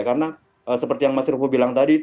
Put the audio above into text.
karena seperti yang mas rufo bilang tadi